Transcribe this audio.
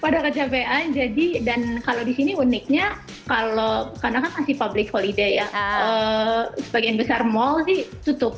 pada kecapean jadi dan kalau di sini uniknya kalau karena kan masih public holiday ya sebagian besar mall sih tutup